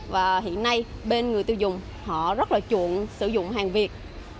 và hiện nay bên người tiêu dùng họ rất là chuộng sử dụng hàng việt